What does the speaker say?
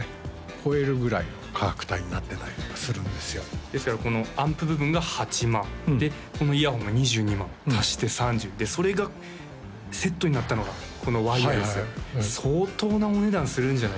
超えるぐらいの価格帯になってたりとかするんですよですからこのアンプ部分が８万でこのイヤホンが２２万足して３０でそれがセットになったのがこのワイヤレス相当なお値段するんじゃないですか？